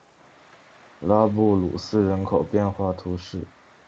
拉布鲁斯人口变化图示